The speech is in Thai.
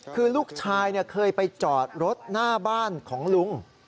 คือลูกชายเคยไปจอดรถหน้าบ้านของลุง